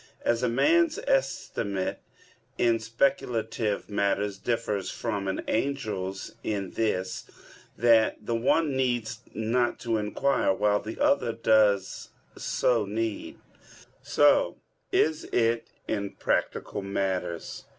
As a man's estimate in speculative matters differs from an angel's in this, that the one needs not to inquire, while the other does so need; so is it in practical matters.